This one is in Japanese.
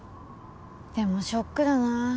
でもショックだな。